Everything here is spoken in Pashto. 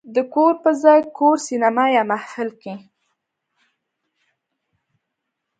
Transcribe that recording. "د کار په ځای، کور، سینما یا محفل" کې